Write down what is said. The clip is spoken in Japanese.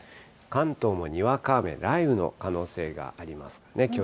関東もにわか雨、雷雨の可能性があります。